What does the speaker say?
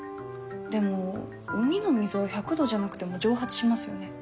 でも海の水は１００度じゃなくても蒸発しますよね。